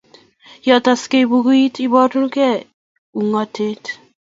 Yotoksei bukuit, iborukei ungotiet